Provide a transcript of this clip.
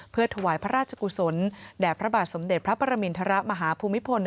เพื่อถวายพระราชกุศลแด่พระบาทสมเด็จพระปรมินทรมาฮภูมิพล